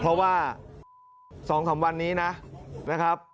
เพราะว่าสองสามวันนี้นะครับ